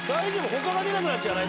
他が出なくなっちゃわない？